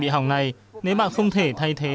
bị hỏng này nếu bạn không thể thay thế